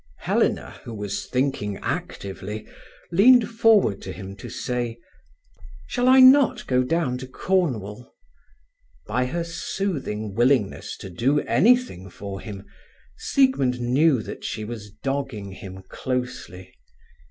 Helena, who was thinking actively, leaned forward to him to say: "Shall I not go down to Cornwall?" By her soothing willingness to do anything for him, Siegmund knew that she was dogging him closely.